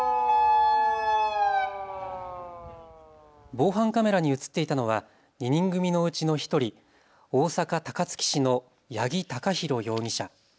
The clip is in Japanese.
防犯カメラに映っていたのは２人組のうちの１人、大阪高槻市の八木貴寛容疑者。